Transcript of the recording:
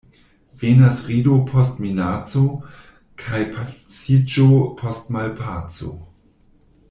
Venas rido post minaco, kaj paciĝo post malpaco.